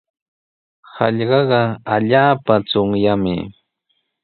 Hallqaqa allaapa chunyaqmi.